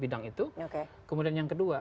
bidang itu kemudian yang kedua